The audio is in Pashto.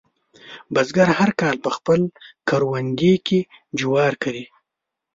بزګر هر کال په خپل کروندې کې جوار کري.